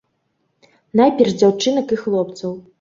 Найперш дзяўчынак і хлопцаў.